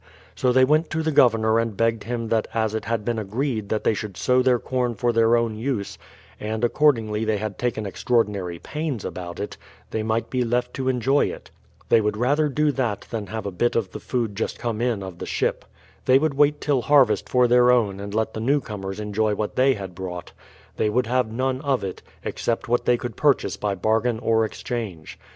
So they went to the Governor and begged him that as it had been agreed that they should sow their corn for their own use, and accordingly they had taken extraordinary pains about it, they might be left to enjoy it. They would rather do that than have a bit of the food just come in the ship. They would wait till harvest for their own and let the new comers enjoy what they had brought; they would have none of it, except what they could purchase by bargain or exchange.